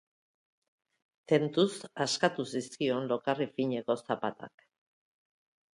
Tentuz askatu zizkion lokarri fineko zapatak.